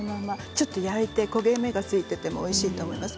ちょっと焼いて焦げ目がついていてもおいしいと思います。